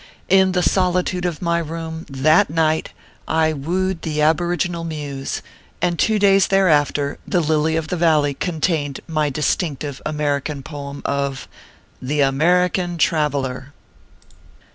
In the solitude of my room, that night, I wooed the aboriginal muse, and two days thereafter the Lily of the Valley contained my distinctive American poem of THE AMERICAN" TRAVELER.